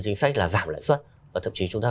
chính sách là giảm lãi suất và thậm chí chúng ta